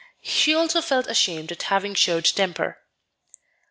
She also felt ashamed at having showed temper.